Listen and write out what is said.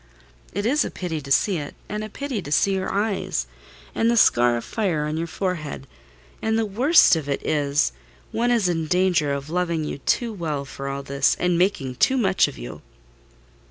"It is a pity to see it; and a pity to see your eyes—and the scar of fire on your forehead: and the worst of it is, one is in danger of loving you too well for all this; and making too much of you."